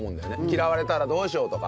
嫌われたらどうしようとか。